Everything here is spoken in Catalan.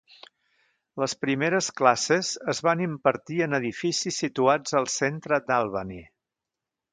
Les primers classes es van impartir en edificis situats al centre d'Albany.